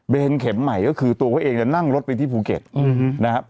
เป็นเข็มใหม่ก็คือตัวเขาเองเนี่ยนั่งรถไปที่ภูเก็ตนะครับ